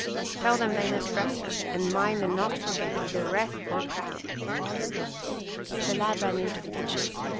"Tell them they must dress her and mind and not forget either wreath or crown." The lad ran into the kitchen.